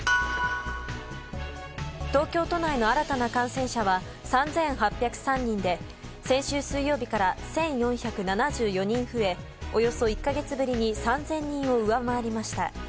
東京都内の新たな感染者は３８０３人で先週水曜日から１４７４人増えおよそ１か月ぶりに３０００人を上回りました。